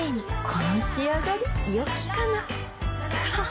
この仕上がりよきかなははっ